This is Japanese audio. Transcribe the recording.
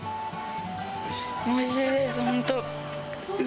おいしいです、本当。